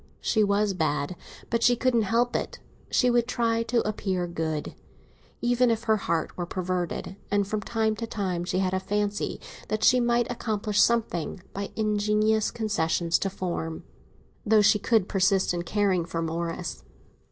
She was bad; but she couldn't help it. She would try to appear good, even if her heart were perverted; and from time to time she had a fancy that she might accomplish something by ingenious concessions to form, though she should persist in caring for Morris.